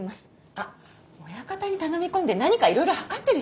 あっ親方に頼み込んで何かいろいろ量ってる人？